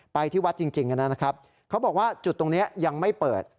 ที่วัดจริงนะครับเขาบอกว่าจุดตรงนี้ยังไม่เปิด